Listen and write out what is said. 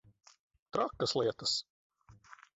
Trakas lietas.